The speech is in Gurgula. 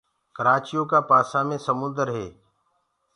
ڪرآچيو ڪآ پآسآ مي سمونٚدر هي